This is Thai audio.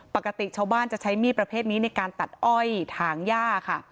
ปกติชาวบ้านจะใช้มีดประเภทนี้ในการตัดอ้อยถางย่าค่ะ